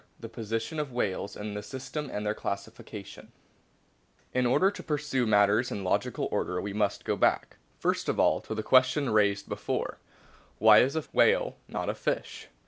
THE POSITION OF WHALES IN THE SYSTEM AND THEIR CLASSIFICATION IN order to pursue matters in logical order we must go back, first of all, to the question raised before, Why is a whale not a fish